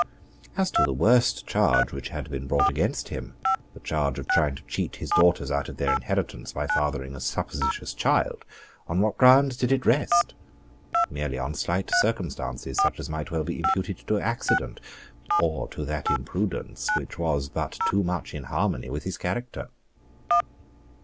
As to the worst charge which had been brought against him, the charge of trying to cheat his daughters out of their inheritance by fathering a supposititious child, on what grounds did it rest? Merely on slight circumstances, such as might well be imputed to accident, or to that imprudence which was but too much in harmony with his character.